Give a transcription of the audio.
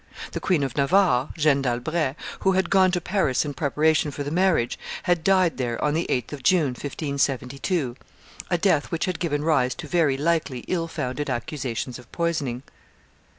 The Queen of Navarre, Jeanne d'Albret, who had gone to Paris in preparation for the marriage, had died there on the 8th of June, 1572; a death which had given rise to very likely ill founded accusations of poisoning.